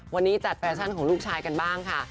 วันนี้จัดแฟชั่นของลูกชายกันบ้างค่ะ